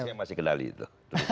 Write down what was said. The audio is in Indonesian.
saya masih kendali itu